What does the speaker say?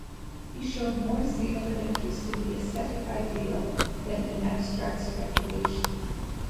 He showed more zeal and interest in the ascetic ideal than in abstract speculation.